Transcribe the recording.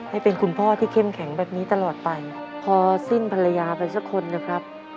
ให้เป็นคุณพ่อที่เข้มแข็งแบบนี้ตลอดไปพอสิ้นภรรยาไปสักคนนะครับ